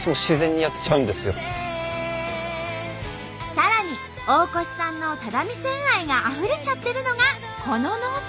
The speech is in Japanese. さらに大越さんの只見線愛があふれちゃってるのがこのノート。